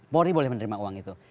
polri boleh menerima uang itu